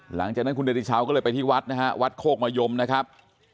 หลังจากนั้นคุณเดติชาวก็เลยไปที่วัดนะฮะวัดโคกมะยมนะครับ